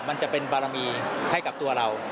มันจะเป็นบารมีให้กับตัวเรา